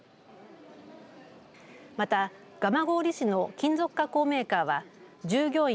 また、蒲郡市の金属加工メーカーは従業員